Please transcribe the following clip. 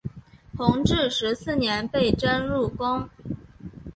弘治十四年被征入宫。